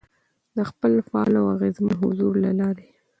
، د خپل فعال او اغېزمن حضور له لارې،